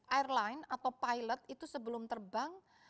airline atau pilot itu sebelum terbang